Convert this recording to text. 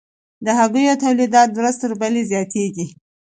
د هګیو تولیدات ورځ تر بلې زیاتیږي